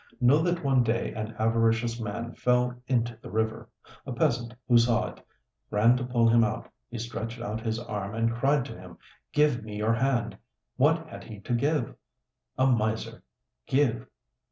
Know that one day an avaricious man fell into the river. A peasant who saw it, ran to pull him out; he stretched out his arm, and cried to him, 'Give me your hand!' What had he to give? A miser give!